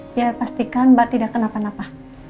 biar pastikan mbak tidak kenapa napa